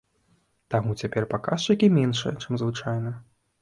Таму цяпер паказчыкі меншыя, чым звычайна.